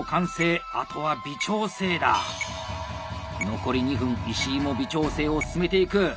残り２分石井も微調整を進めていく！